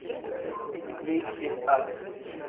Leigh "et al.